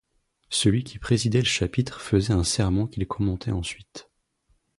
Celui qui présidait le chapitre faisait un sermon qu'il commentait ensuite.